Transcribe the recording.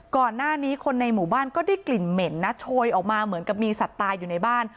ก่อนหน้านี้คนในหมู่บ้านก็ได้กลิ่นเหม็นนะโชยออกมาเหมือนกับมีสัตว์ตายอยู่ในบ้าน